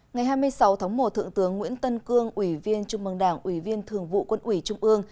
ngày hai mươi sáu tháng một thượng tướng nguyễn tân cương ủy viên trung mương đảng ủy viên thường vụ quân ủy trung ương